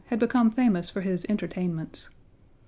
had become famous for his entertainments.